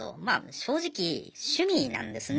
正直趣味なんですね。